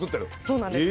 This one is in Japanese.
そうなんです。